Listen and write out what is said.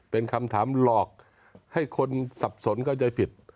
เป็นคำถามหลอกให้คนสับสนเข้าใจผิด